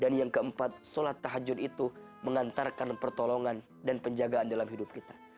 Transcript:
dan yang keempat sholat tahajud itu mengantarkan pertolongan dan penjagaan dalam hidup kita